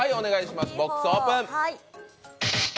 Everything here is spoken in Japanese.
ボックスオープン！